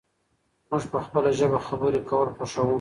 موږ په خپله ژبه خبرې کول خوښوو.